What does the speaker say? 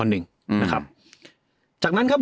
นะครับจากนั้นครับ